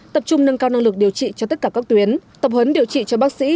tập trung nâng cao năng lực điều trị cho tất cả các tuyến tập hấn điều trị cho bác sĩ